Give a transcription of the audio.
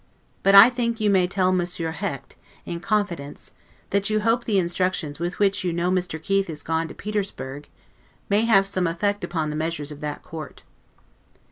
But I think you may tell Monsieur Hecht, in confidence, that you hope the instructions with which you know that Mr. Keith is gone to Petersburg, may have some effect upon the measures of that Court.